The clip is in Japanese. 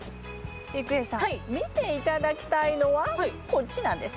郁恵さん見て頂きたいのはこっちなんです。